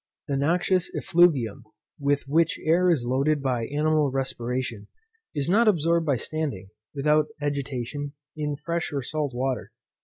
The noxious effluvium with which air is loaded by animal respiration, is not absorbed by standing, without agitation; in fresh or salt water.